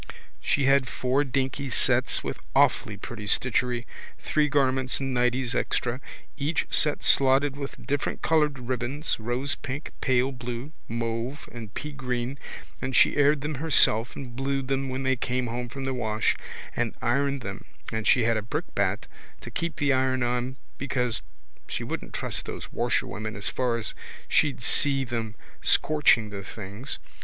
She had four dinky sets with awfully pretty stitchery, three garments and nighties extra, and each set slotted with different coloured ribbons, rosepink, pale blue, mauve and peagreen, and she aired them herself and blued them when they came home from the wash and ironed them and she had a brickbat to keep the iron on because she wouldn't trust those washerwomen as far as she'd see them scorching the things.